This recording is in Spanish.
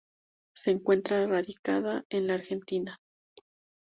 Se encuentra radicada en la Argentina.